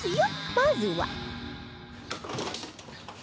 まずは